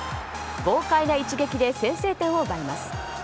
豪快な一撃で先制点を奪います。